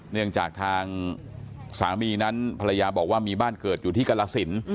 เนื่องจากทางสามีนั้นภรรยาบอกว่ามีบ้านเกิดอยู่ที่กรสิน